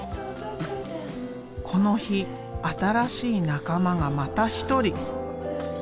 この日新しい仲間がまた一人。